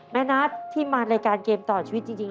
นัทที่มารายการเกมต่อชีวิตจริง